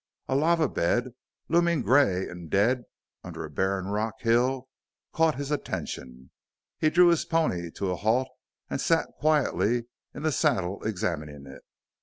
A lava bed, looming gray and dead under a barren rock hill, caught his attention, and he drew his pony to a halt and sat quietly in the saddle examining it.